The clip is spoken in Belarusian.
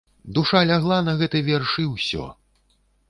Душа лягла на гэты верш, і ўсё.